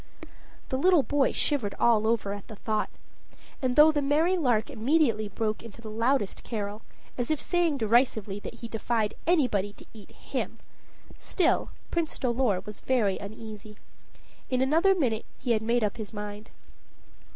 The little boy shivered all over at the thought. And, though the merry lark immediately broke into the loudest carol, as if saying derisively that he defied anybody to eat him, still, Prince Dolor was very uneasy. In another minute he had made up his mind.